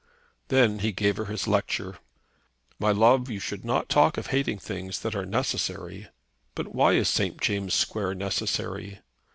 Then he gave her his lecture. "My love, you should not talk of hating things that are necessary." "But why is St. James' Square necessary?"